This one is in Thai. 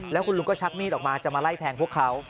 แล้วคุณลุงก็ชักมีดออกมาจะมาไล่แทงพวกเขา